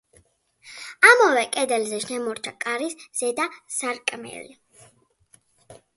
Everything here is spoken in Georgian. ამავე კედელზე შემორჩა კარის ზედა სარკმელი.